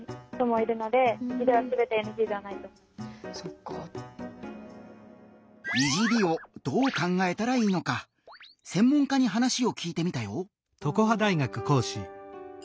「いじり」をどう考えたらいいのか専門家に話を聞いてみたよ！